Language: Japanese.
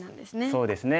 そうですね。